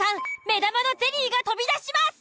目玉のゼリーが飛び出します。